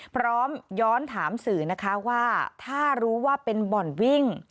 พร้อมย้อนถามสื่อนะคะว่าถ้ารู้ว่าเป็นบ่อนวิ่ง